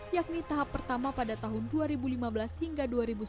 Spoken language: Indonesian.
yakni tahap pertama pada tahun dua ribu lima belas hingga dua ribu sembilan belas